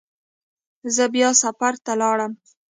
زه بیا سفر ته لاړم.